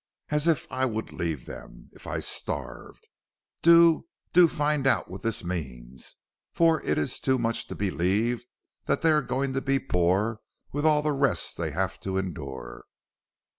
As if I would leave them, if I starved! Do, do find out what this means, for it is too much to believe that they are going to be poor with all the rest they have to endure."